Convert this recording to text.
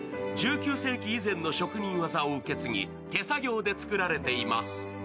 １９世紀以前の職人技を受け継ぎ手作業で作られています。